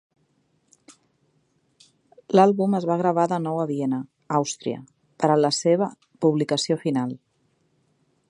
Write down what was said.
L'àlbum es va gravar de nou a Viena, Àustria, per a la seva publicació final.